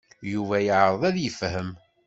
Yuba yeɛreḍ ad yefhem.